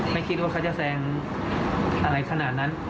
ไม่คิดว่าเขาจะแซงอะไรขนาดนั้น